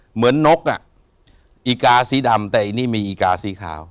เหมือนนกอ่ะอีกาสีดำแต่อันนี้มีอีกาสีขาว